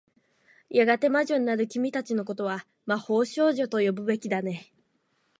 やがて魔女になる君たちの事は、魔法少女と呼ぶべきだよね。